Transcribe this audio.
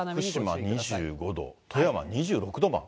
福島２５度、富山２６度まで。